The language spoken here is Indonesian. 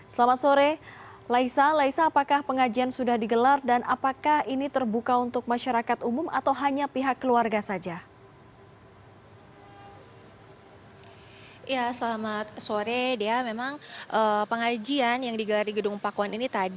selamat sore laisa laisa apakah pengajian sudah digelar dan apakah ini terbuka untuk masyarakat umum atau hanya pihak keluarga saja